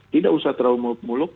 tidak usah terlalu muluk muluk